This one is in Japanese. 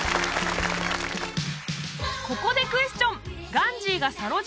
ここでクエスチョン！